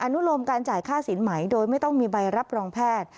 นุโลมการจ่ายค่าสินไหมโดยไม่ต้องมีใบรับรองแพทย์